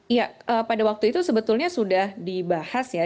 iya pada waktu itu sebetulnya sudah dibahas ya